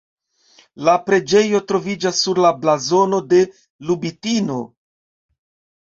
La preĝejo troviĝas sur la blazono de Lubitino.